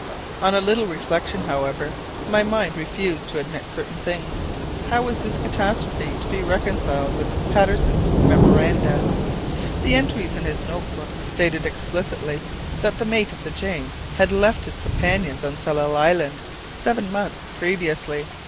On a little reflection, however, my mind refused to admit certain things. How was this catastrophe to be reconciled with Patterson's memoranda? The entries in his note book stated explicitly that the mate of the Jane had left his companions on Tsalal Island seven months previously.